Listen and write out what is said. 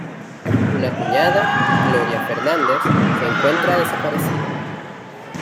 Una cuñada, Gloria Fernández, se encuentra desaparecida.